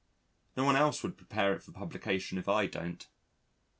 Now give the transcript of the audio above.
No one else would prepare it for publication if I don't.